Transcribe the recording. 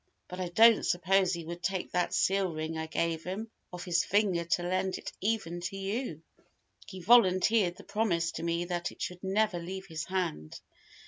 But I don't suppose he would take that seal ring I gave him off his finger to lend it even to you. He volunteered the promise to me that it should never leave his hand.